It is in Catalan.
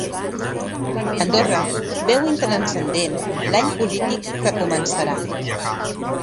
Andorra veu intranscendent l'any polític que començarà